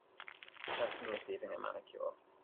Person receiving a manicure.